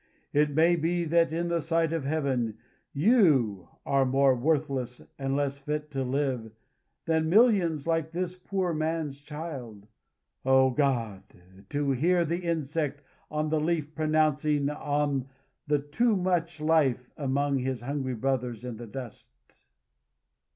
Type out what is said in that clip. It may be that in the sight of Heaven you are more worthless and less fit to live than millions like this poor man's child. Oh, God! to hear the insect on the leaf pronouncing on the too much life among his hungry brothers in the dust!"